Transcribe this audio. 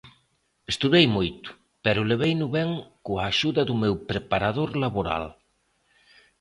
Estudei moito, pero leveino ben coa axuda do meu preparador laboral.